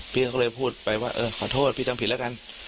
พี่ก็เลยพูดไปว่าเออขอโทษพี่ทำผิดแล้วกัน